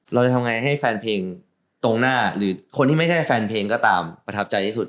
เราจะทำไงให้แฟนเพลงตรงหน้าหรือคนที่ไม่ใช่แฟนเพลงก็ตามประทับใจที่สุด